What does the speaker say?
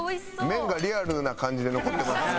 麺がリアルな感じで残ってますね。